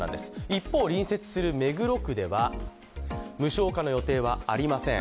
一方、隣接する目黒区では無償化の予定はありません。